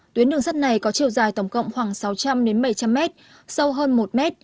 tuyến đường sắt này có chiều dài tổng cộng khoảng sáu trăm linh bảy trăm linh mét sâu hơn một m